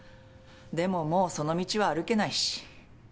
でももうその道は歩けないし。